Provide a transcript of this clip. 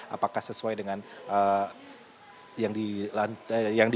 apakah sesuai dengan yang di